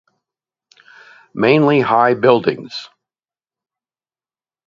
Mainly high buildings.